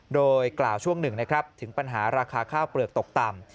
โดยกล่าวช่วงหนึ่งนะครับถึงปัญหาราคาข้าวเปลือกตกต่ำ